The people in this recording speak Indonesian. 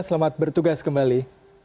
selamat bertugas kembali